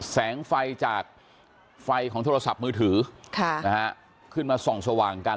แสงไฟจากไฟของโทรศัพท์มือถือขึ้นมาส่องสว่างกัน